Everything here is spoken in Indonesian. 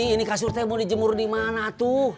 ini kasur teh mau dijemur di mana tuh